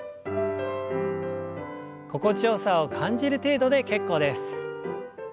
心地よさを感じる程度で結構です。